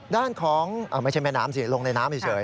ด้านของไม่ใช่แม่น้ำสิลงในน้ำเฉย